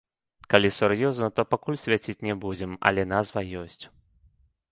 Калі сур'ёзна, то пакуль свяціць не будзем, але назва ёсць.